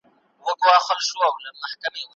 مهرباني د زړونو ترمنځ مینه پیدا کوي.